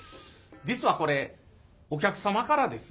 実はこれお客様からですね